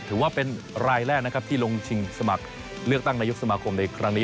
ถือว่าเป็นรายแรกนะครับที่ลงชิงสมัครเลือกตั้งนายกสมาคมในครั้งนี้